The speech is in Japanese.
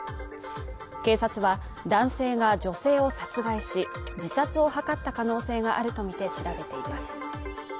警察は男性が女性を殺害し、自殺を図った可能性があるとみて調べています。